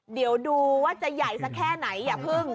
เดี๋ยวดูว่าจะใหญ่สักแค่ไหนอย่าพึ่ง